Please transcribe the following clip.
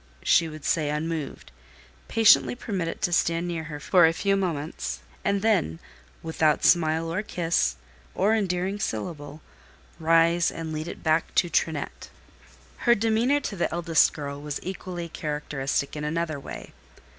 she would say unmoved, patiently permit it to stand near her a few moments, and then, without smile or kiss, or endearing syllable, rise and lead it back to Trinette. Her demeanour to the eldest girl was equally characteristic in another way.